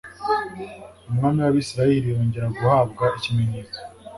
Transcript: umwami w'abisirayeli yongera guhabwa ikimenyetso